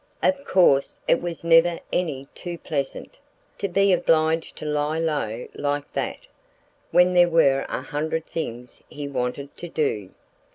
Of course it was never any too pleasant, to be obliged to lie low like that, when there were a hundred things he wanted to do.